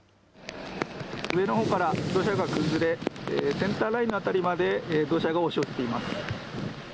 上のほうから土砂が崩れ、センターラインの辺りまで土砂が押し寄せています。